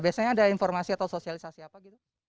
biasanya ada informasi atau sosialisasi apa gitu